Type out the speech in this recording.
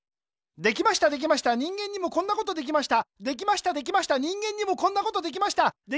できましたできました人間にもこんなことできました